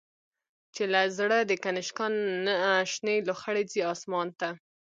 چی له زړه د«کنشکا» نه، شنی لوخړی ځی آسمان ته